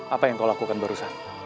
apa yang kau lakukan barusan